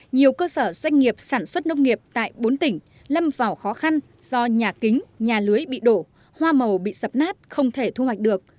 nhiều cơ sở doanh nghiệp sản xuất nông nghiệp tại bốn tỉnh lâm vào khó khăn do nhà kính nhà lưới bị đổ hoa màu bị dập nát không thể thu hoạch được